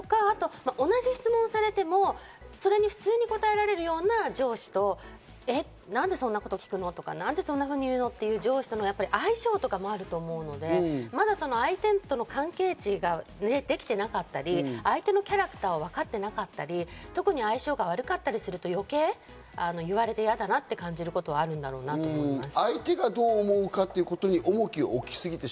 同じ質問をされても普通に答えられるような上司と、えっ、何でそんなこと聞くの？とか、何でそんなふうに言うの？っていう上司との相性とかもあると思うので、相手との関係置ができていなかったり、相手のキャラクターをわかっていなかったり、特に相性が悪かったりすると余計、言われて嫌だなと感じることはあるだろうなと思います。